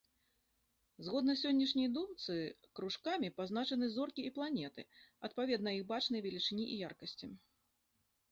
Згодна сённяшняй думцы, кружкамі пазначаны зоркі і планеты, адпаведна іх бачнай велічыні і яркасці.